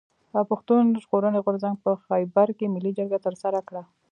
پښتون ژغورني غورځنګ په خېبر کښي ملي جرګه ترسره کړه.